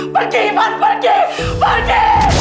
pergi iman pergi pergi